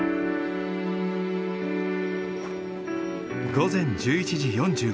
午前１１時４５分。